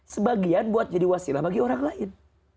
sebagian buat jadi wasilah bagi orang lain